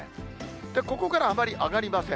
ここからあまり上がりません。